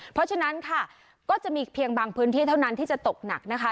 เพราะฉะนั้นค่ะก็จะมีเพียงบางพื้นที่เท่านั้นที่จะตกหนักนะคะ